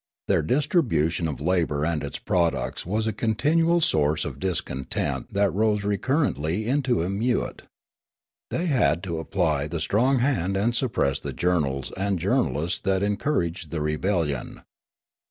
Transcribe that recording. Their distribution of labour and its products was a continual source of dis content that rose recurrently into emeute. They had to apply the strong hand and suppress the journals and journalists that encouraged the rebellion.